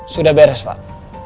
sudah beres pak